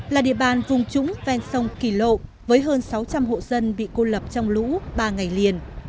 là địa bàn vùng trũng ven sông kỳ lộ với hơn sáu trăm linh hộ dân bị cô lập trong lũ ba ngày liền